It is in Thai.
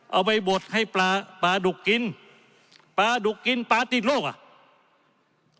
เอาไปบดให้ปลาปลาดุกกินปลาดุกกินปลาติดโรคอ่ะ